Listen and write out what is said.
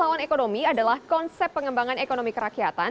adalah konsep pengembangan ekonomi kerakyatan